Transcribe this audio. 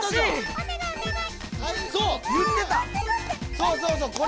そうそうそうこれ。